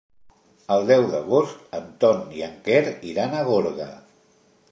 El deu d'agost en Ton i en Quer iran a Gorga.